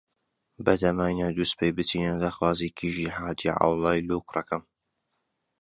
بەتاماینە دووسبەی بچینە داخوازی کیژی حاجی عەوڵای لۆ کوڕەکەم.